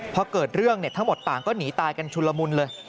พอเกิดเรื่องทั้งหมดต่างก็หนีตายกันชุนละมุนเลย